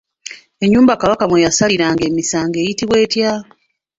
Ennyumba Kabaka mwe yasaliranga emisango eyitibwa etya?